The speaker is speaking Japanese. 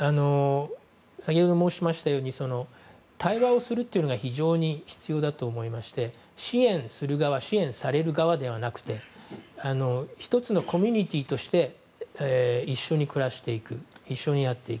先ほど申しましたように対話をすることが非常に必要だと思いまして支援する側支援される側ではなくて１つのコミュニティーとして一緒に暮らしていく一緒にやっていく。